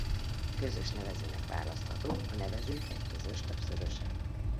Közös nevezőnek választható a nevezők egy közös többszöröse.